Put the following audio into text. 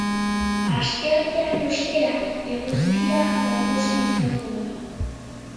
Asteartean, ostera, eguzkia nagusi izango da.